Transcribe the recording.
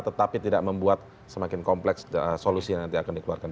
tetapi tidak membuat semakin kompleks solusi yang nanti akan dikeluarkan